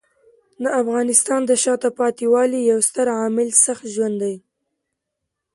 د افغانستان د شاته پاتې والي یو ستر عامل سخت ژوند دی.